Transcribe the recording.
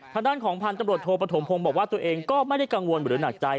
ทางด้านของพันธุ์ตำรวจโทปฐมพงศ์บอกว่าตัวเองก็ไม่ได้กังวลหรือหนักใจ